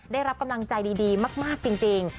ได้รับกำลังใจดีมากจริง